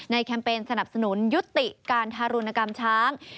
แคมเปญสนับสนุนยุติการทารุณกรรมช้าง